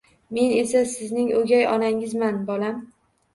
Men esa sizning o'gay onangizman, bolam.